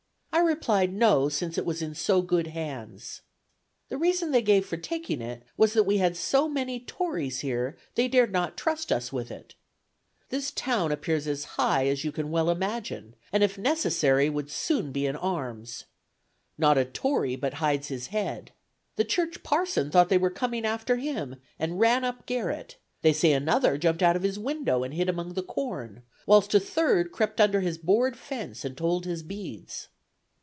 I replied, no, since it was in so good hands. The reason they gave for taking it was that we had so many Tories here, they dared not trust us with it. ... This town appears as high as you can well imagine, and, if necessary, would soon be in arms. Not a Tory but hides his head. The church parson thought they were coming after him, and ran up garret; they say another jumped out of his window and hid among the corn, whilst a third crept under his board fence and told his beads."